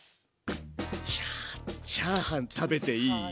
いやチャーハン食べていい？